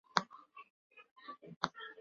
曼比季为该区的首府。